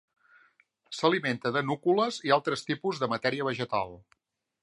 S'alimenta de núcules i altres tipus de matèria vegetal.